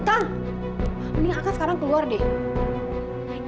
kang mending akang sekarang keluar deh